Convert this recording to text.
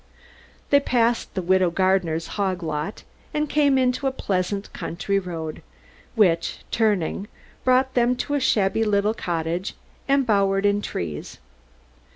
They passed the "Widow Gardiner's hog lot" and came into a pleasant country road, which, turning, brought them to a shabby little cottage, embowered in trees.